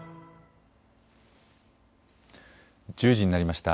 １０時になりました。